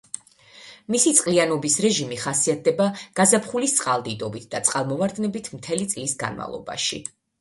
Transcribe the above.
მისი წყლიანობის რეჟიმი ხასიათდება გაზაფხულის წყალდიდობით და წყალმოვარდნებით მთელი წლის განმავლობაში.